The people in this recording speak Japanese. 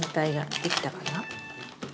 できたかな？